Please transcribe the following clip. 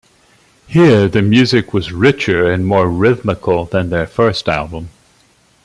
Here the music was richer and more rhythmical than their first album.